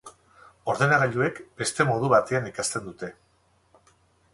Ordenagailuek beste modu batean ikasten dute.